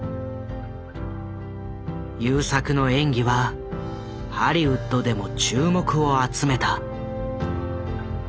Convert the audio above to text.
優作の演技はハリウッドでも注目を集めた。